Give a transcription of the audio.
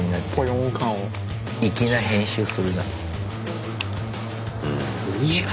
粋な編集するな。